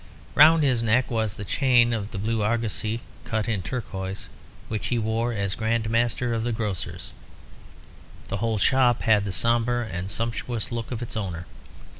Round his neck was the chain with the Blue Argosy cut in turquoise, which he wore as Grand Master of the Grocers. The whole shop had the sombre and sumptuous look of its owner.